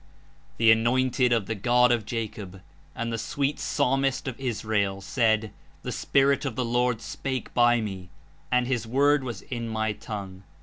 The Anointed of the God of Jacob, and the sweet psalmist of Israel, said, The Spirit of the Lord spake by me, and His Word was in my tongue.